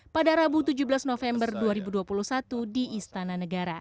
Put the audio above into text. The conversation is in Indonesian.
pada rabu tujuh belas november dua ribu dua puluh satu di istana negara